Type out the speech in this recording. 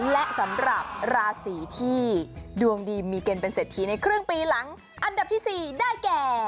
และสำหรับราศีที่ดวงดีมีเกณฑ์เป็นเศรษฐีในครึ่งปีหลังอันดับที่๔ได้แก่